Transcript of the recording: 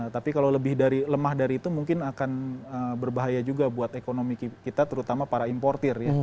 tapi kalau lebih dari lemah dari itu mungkin akan berbahaya juga buat ekonomi kita terutama para importer ya